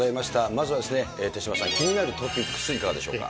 まずは手嶋さん、気になるトピックス、いかがでしょうか。